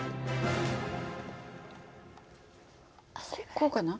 こうかな？